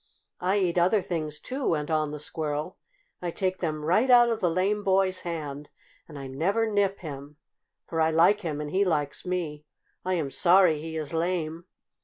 "I eat other things, too," went on the Squirrel. "I take them right out of the lame boy's hand, and I never nip him, for I like him and he likes me. I am sorry he is lame."